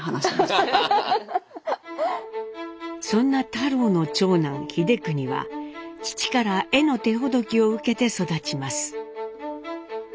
そんな太郎の長男英邦は父から絵の手ほどきを受けて育ちます。